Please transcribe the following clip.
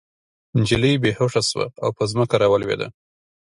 نجلۍ بې هوښه شوه او په ځمکه راولوېده